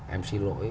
em xin lỗi